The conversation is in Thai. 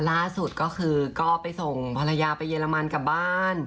ล่าสุดก็คือก็ไปส่งภรรยาไปเยอรมันกลับบ้าน